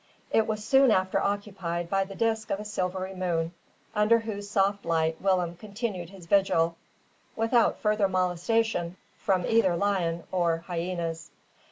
It was soon after occupied by the disk of a silvery moon, under whose soft light Willem continued his vigil, without further molestation from either lion or hyenas.